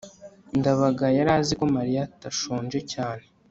ndabaga yari azi ko mariya atashonje cyane